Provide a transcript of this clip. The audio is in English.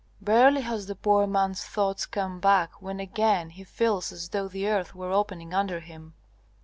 Barely has the poor man's thoughts come back when again he feels as though the earth were opening under him.